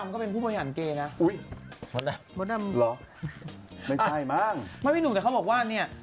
เคยเป็นนักร้อง